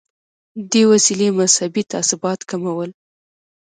دې وسیلې مذهبي تعصبات کمول.